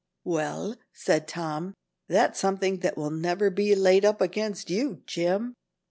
"Well," said Tom, "that's something that will never be laid up against you, Jim."